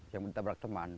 yang ditabrak teman